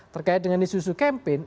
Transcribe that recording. terkait dengan isu isu campaign